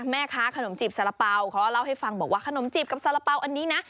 แม่ค้าขนมจีบสารเป๋าเขาก็เล่าให้ฟังบอกว่าขนมจีบกับสาระเป๋าอันนี้นะ